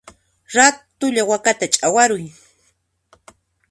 Ratulla wakata chawaruy!